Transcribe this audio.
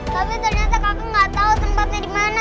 tapi ternyata kakak gak tau tempatnya dimana